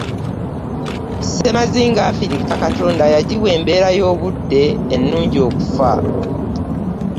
Ssemazinga Africa Katonda yagiwa embeera y'obudde ennungi okufa.